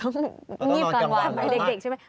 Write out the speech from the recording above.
ต้องงีบกลางวันหรอคะเด็กใช่ไหมไม่